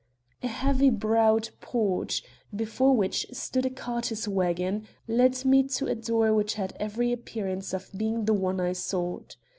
A heavy browed porch, before which stood a caterer's wagon, led me to a door which had every appearance of being the one I sought.